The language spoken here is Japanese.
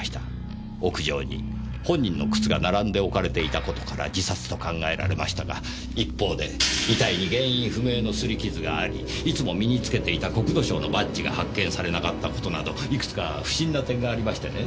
屋上に本人の靴が並んで置かれていたことから自殺と考えられましたが一方で遺体に原因不明のすり傷がありいつも身に着けていた国土省のバッジが発見されなかったことなどいくつか不審な点がありましてね。